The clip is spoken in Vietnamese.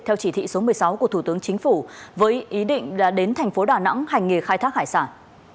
theo chỉ thị số một mươi sáu của thủ tướng chính phủ với ý định đã đến thành phố đà nẵng hành nghề khai thác hải sản